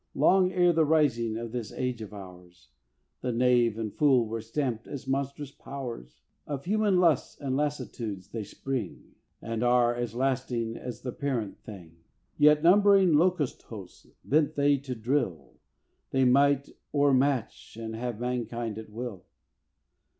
Long ere the rising of this Age of ours, The knave and fool were stamped as monstrous Powers. Of human lusts and lassitudes they spring, And are as lasting as the parent thing. Yet numbering locust hosts, bent they to drill, They might o'ermatch and have mankind at will.